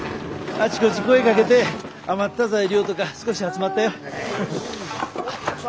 あちこち声かけて余った材料とか少し集まったよ。